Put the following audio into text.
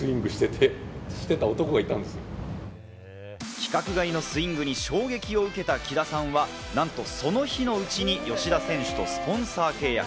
規格外のスイングに衝撃を受けた喜田さんは、なんとその日のうちに吉田選手とスポンサー契約。